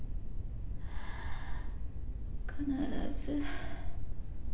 必ず